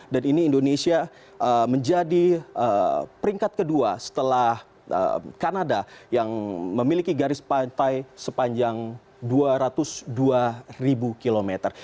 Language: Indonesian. ini indonesia menjadi peringkat kedua setelah kanada yang memiliki garis pantai sepanjang dua ratus dua kilometer